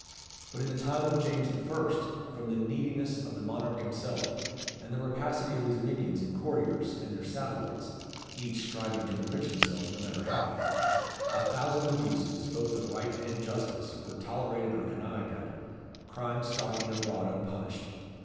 But in the time of James the First, from the neediness of the monarch himself, and the rapacity of his minions and courtiers and their satellites, each striving to enrich himself, no matter how a thousand abuses, both of right and justice, were tolerated or connived at, crime stalking abroad unpunished.